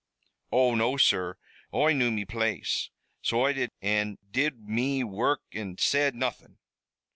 "Oh, no, sur, Oi knew me place, so Oi did, an' did me wurruk an' said nothin'.